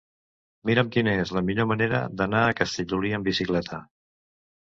Mira'm quina és la millor manera d'anar a Castellolí amb bicicleta.